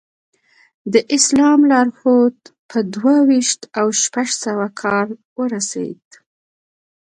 د اسلام لارښود په دوه ویشت او شپږ سوه کال ورسېد.